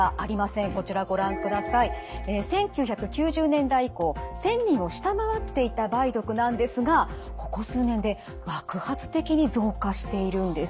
１９９０年代以降１，０００人を下回っていた梅毒なんですがここ数年で爆発的に増加しているんです。